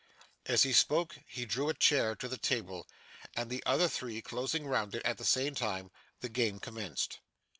As he spoke he drew a chair to the table; and the other three closing round it at the same time, the game commenced.